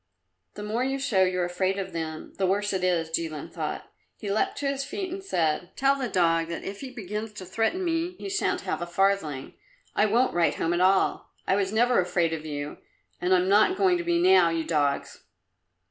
"The more you show you're afraid of them, the worse it is," Jilin thought. He leapt to his feet and said, "Tell the dog that if he begins to threaten me, he shan't have a farthing! I won't write home at all! I was never afraid of you, and I'm not going to be now, you dogs!"